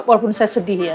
walaupun saya sedih ya